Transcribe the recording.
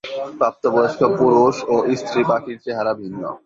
প্রাপ্তবয়স্ক পুরুষ ও স্ত্রী পাখির চেহারা ভিন্ন।